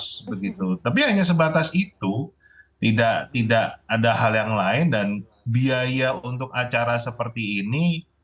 yhteh dengan gejira dan bebas begitu tapi hanya sebatas itu tidak ada hal yang lain dan biaya untuk acara seperti ini